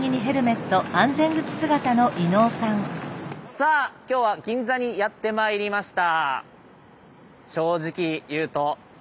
さあ今日は銀座にやってまいりました。